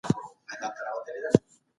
حکومت ته نظم راوستل شو.